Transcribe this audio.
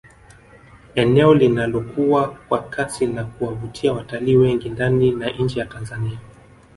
Eneo linalokua kwa kasi na kuwavutia watalii wengi ndani na nje ya Tanzania